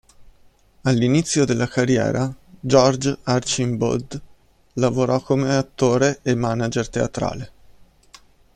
All'inizio della carriera, George Archainbaud lavorò come attore e manager teatrale.